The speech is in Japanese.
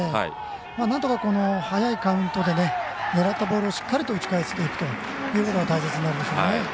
なんとか、早いカウントで狙ったボールをしっかりと打ち返していくことが大切になるでしょうね。